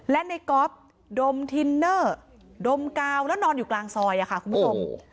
และในก๊อฟดมทินเนอร์ดมกาวแล้วนอนอยู่กลางซอยค่ะคุณผู้ชม